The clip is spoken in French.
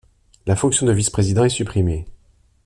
La fonction de vice-président est supprimée.